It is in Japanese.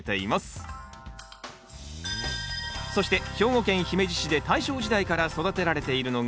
そして兵庫県姫路市で大正時代から育てられているのが網干メロン。